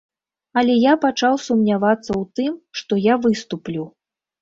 Але я пачаў сумнявацца ў тым, што я выступлю.